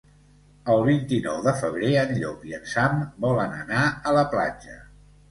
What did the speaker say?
El vint-i-nou de febrer en Llop i en Sam volen anar a la platja.